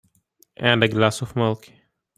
And a glass of milk.